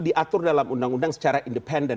diatur dalam undang undang secara independen